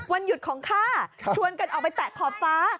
วันหยุดของข้าชวนกันออกไปแตะขอบฟ้า